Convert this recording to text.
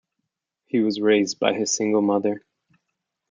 He was raised by his single mother.